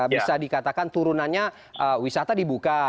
bisa dikatakan turunannya wisata dibuka